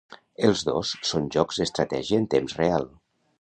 Els dos són jocs d'estratègia en temps real.